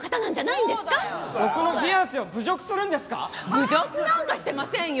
侮辱なんかしてませんよ！